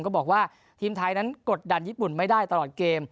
ก็บอกว่าทีมไทยนั้นกดดันญี่ปุ่นไม่ได้ตลอดเกม